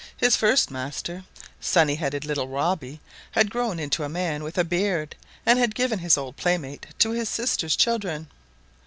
His first master, sunny headed little Robbie, had grown into a man with a beard, and had given his old playmate to his sister's children.